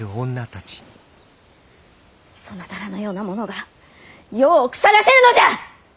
そなたらのような者が世を腐らせるのじゃ！